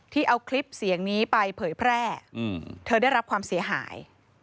เอาคลิปเสียงนี้ไปเผยแพร่เธอได้รับความเสียหาย